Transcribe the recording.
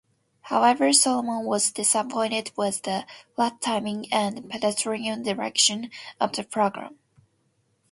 However, Solomon was disappointed with the "flat timing and pedestrian direction" of the program.